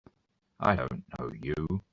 I don't know you!